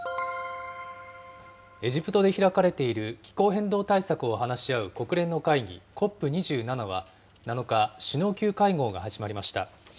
エジプトで開かれている気候変動対策を話し合う国連の会議、ＣＯＰ２７は７日、首脳級会合が始まりました。